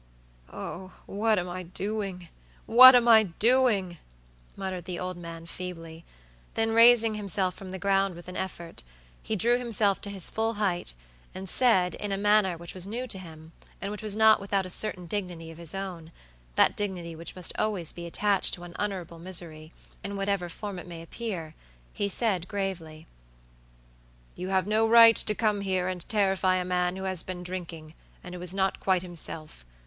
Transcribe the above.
"Oh, what am I doing? what am I doing?" muttered the old man, feebly; then raising himself from the ground with an effort, he drew himself to his full height, and said, in a manner which was new to him, and which was not without a certain dignity of his ownthat dignity which must be always attached to unutterable misery, in whatever form it may appearhe said, gravely: "You have no right to come here and terrify a man who has been drinking, and who is not quite himself.